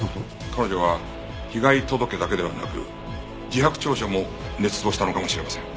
彼女は被害届だけではなく自白調書も捏造したのかもしれません。